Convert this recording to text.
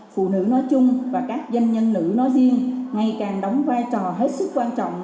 phụ nữ nói chung và các doanh nhân nữ nói riêng ngày càng đóng vai trò hết sức quan trọng